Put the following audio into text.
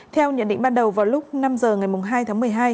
theo nhận định ban đầu vào lúc năm h ngày hai tháng một mươi hai